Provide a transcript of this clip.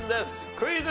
クイズ。